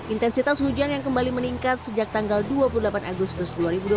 intensitas hujan yang kembali meningkat sejak tanggal dua puluh delapan agustus dua ribu dua puluh